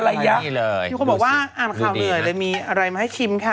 นะฮะอะไรอย่างงี้เลยที่คนบอกว่าอ่านข่าวเหนื่อยเลยมีอะไรมาให้ชิมค่ะ